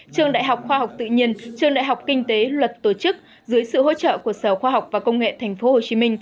trường đại học khoa học tự nhiên trường đại học kinh tế luật tổ chức dưới sự hỗ trợ của sở khoa học và công nghệ tp hcm